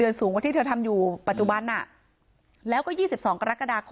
เพราะไม่มีเงินไปกินหรูอยู่สบายแบบสร้างภาพ